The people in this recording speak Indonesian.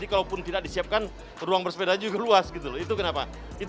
itu kenapa kita ingin fokus ke kota